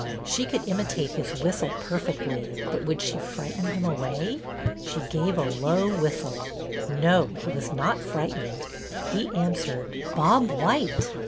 She could imitate his whistle perfectly, but would she frighten him away? She gave a low whistle. No, he was not frightened. He answered, ''Bob white!"